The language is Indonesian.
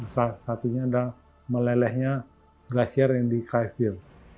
seharusnya melelehnya glasier yang dikaitkan